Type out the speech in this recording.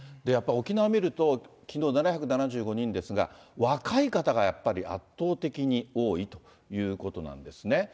やっぱり沖縄見ると、きのう７７５人ですが、若い方がやっぱり圧倒的に多いということなんですね。